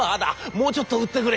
もうちょっと売ってくれ」。